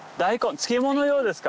漬物用ですか？